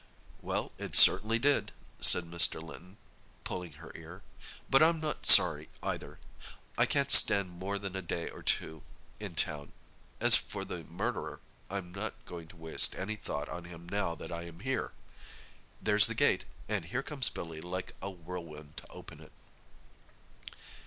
"Well, it certainly did," said Mr. Linton, pulling her ear; "but I'm not sorry either. I can't stand more than a day or two in town. As for the murderer, I'm not going to waste any thought on him now that I am here. There's the gate, and here comes Billy like a whirlwind to open it."